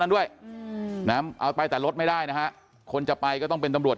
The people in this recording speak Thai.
ด้วยนะเอาไปแต่รถไม่ได้นะฮะคนจะไปก็ต้องเป็นตำรวจ